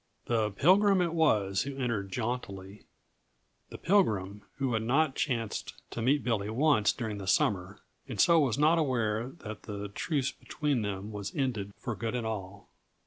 The Pilgrim it was who entered jauntily; the Pilgrim, who had not chanced to meet Billy once during the summer, and so was not aware that the truce between them was ended for good and all.